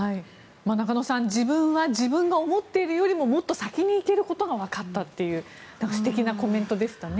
中野さん自分は自分が思っているよりももっと先に行けることがわかったという素敵なコメントでしたね。